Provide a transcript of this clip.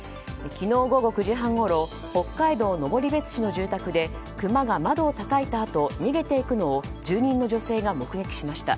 昨日午後９時半ごろ北海道登別市の住宅でクマが窓をたたいたあと逃げていくのを住人の女性が目撃しました。